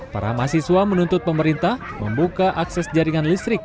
para mahasiswa menuntut pemerintah membuka akses jaringan listrik